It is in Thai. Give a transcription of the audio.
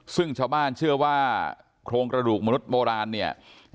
ซึ่งชาวบ้านเชื่อว่าโครงกระดูกมนุษย์โบราณเนี่ย